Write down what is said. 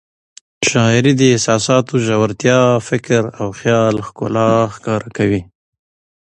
شاعري د احساساتو ژورتیا، فکر او خیال ښکلا ښکاره کوي.